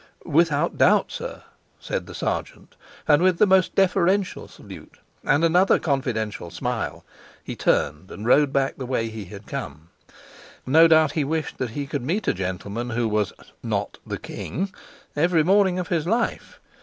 "Without doubt, sir," said the sergeant, and with the most deferential salute, and another confidential smile, he turned and rode back by the way he had come. No doubt he wished that he could meet a gentleman who was not the king every morning of his life.